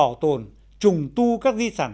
bảo tồn trùng tu các di sản